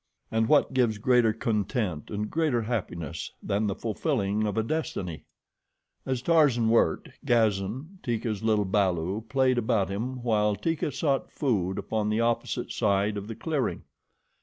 And what gives greater content and greater happiness than the fulfilling of a destiny? As Tarzan worked, Gazan, Teeka's little balu, played about him while Teeka sought food upon the opposite side of the clearing.